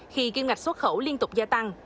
khi kiêm ngạch xuất khẩu liên tục gia tăng